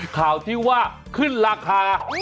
ข่าวที่ว่าขึ้นราคา